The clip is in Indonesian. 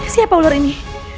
siapa ular ini